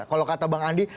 kalau kata bang andi